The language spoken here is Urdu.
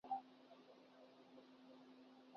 نہ تو کسی نے یہ سوچا